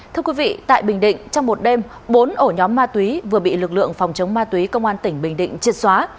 thưa quý vị tại bình định trong một đêm bốn ổ nhóm ma túy vừa bị lực lượng phòng chống ma túy công an tỉnh bình định triệt xóa